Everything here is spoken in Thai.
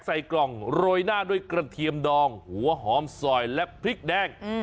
ใส่กล่องโรยหน้าด้วยกระเทียมดองหัวหอมสอยและพริกแดง